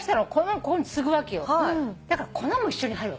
だから粉も一緒に入る。